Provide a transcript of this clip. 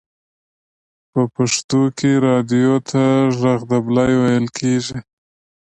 په پښتو کې رادیو ته ژغ ډبلی ویل کیږی.